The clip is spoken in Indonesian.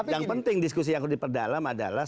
yang penting diskusi yang harus diperdalam adalah